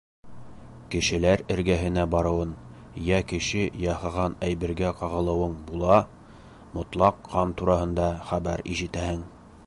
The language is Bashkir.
— Кешеләр эргәһенә барыуын, йә кеше яһаған әйбергә ҡағылыуың була, мотлаҡ ҡан тураһында хәбәр ишетәһең.